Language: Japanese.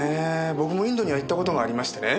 僕もインドには行った事がありましてね